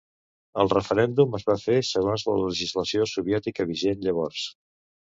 El referèndum es va fer segons la legislació soviètica vigent llavors.